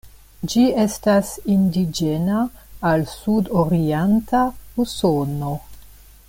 Ĝi estas indiĝena al Sud-orienta Usono.